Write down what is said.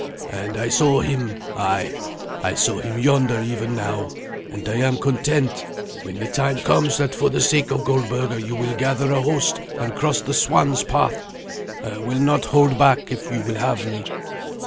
And I saw him ay, I saw him yonder even now, and I am content. When the time comes that for the sake of Goldberga you will gather a host and cross the 'swan's path,' I will not hold back, if you will have me."